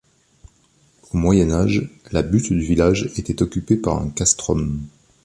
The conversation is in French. Au Moyen Âge, la butte du village était occupée par un castrum.